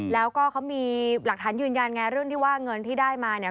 แล้วก็เขามีหลักฐานยืนยันไงเรื่องที่ว่าเงินที่ได้มาเนี่ย